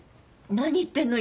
何言ってんの？